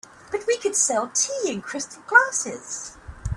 But we could sell tea in crystal glasses.